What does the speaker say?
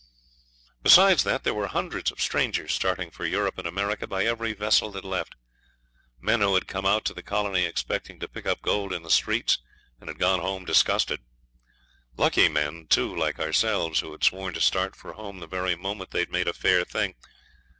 Besides that, there were hundreds of strangers starting for Europe and America by every vessel that left. Men who had come out to the colony expecting to pick up gold in the streets, and had gone home disgusted; lucky men, too, like ourselves, who had sworn to start for home the very moment they had made a fair thing.